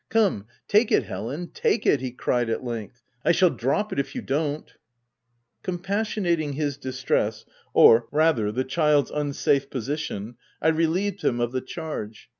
" Come, take it, Helen ; take it," he cried at length. w I shall drop it, if you don't.'' Compassionating his distress — or rather the child's unsafe position, I relieved him of the charge.